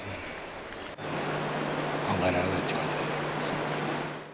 考えられないっていう感じ。